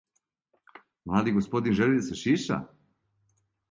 Млади господин жели да се шиша?